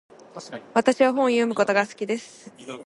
私は本を読むことが好きです。